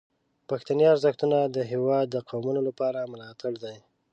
پښتني ارزښتونه د هیواد د قومونو لپاره ملاتړ دي.